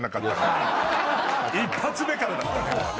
１発目からだったね。